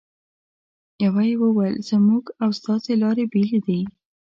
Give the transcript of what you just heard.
یوه یې وویل: زموږ او ستاسې لارې بېلې دي.